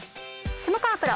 下川プロ。